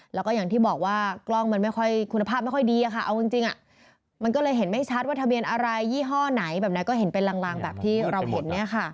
แล้วก็อย่างที่บอกว่ากล้องมันไม่ค่อยคุณภาพไม่ค่อยดีเอาจริงมันก็เลยเห็นไม่ชัดว่าทะเบียนอะไรยี่ห้อไหนแบบไหนก็เห็นเป็นลางแบบที่เราเห็น